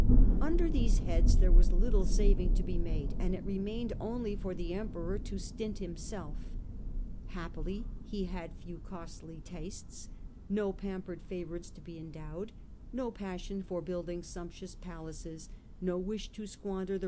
Under these heads there was little saving to be made, and it remained only for the Emperor to stint himself, except in the Happily he had few costly tastes, no pampered Emperor's favourites to be endowed, no passion for build «^ndi ing sumptuous palaces, no wish to squander tnre.